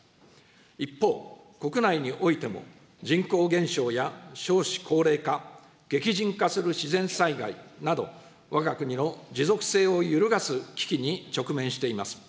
一方、国内においても、人口減少や少子高齢化、激甚化する自然災害など、わが国の持続性を揺るがす危機に直面しています。